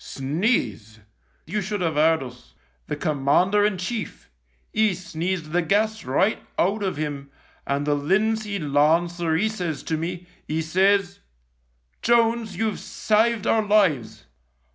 Sneeze !— you should have 'eard us. The Commander in Chief — 'e sneezed the gas right out of 'im, and the Linseed Lancer 'e says to me, 'e says, ' Jones, you've saved our lives.'